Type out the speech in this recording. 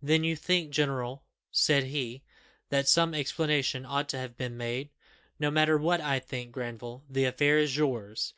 "Then, you think, general," said he, "that some explanation ought to have been made?" "No matter what I think, Granville, the affair is yours.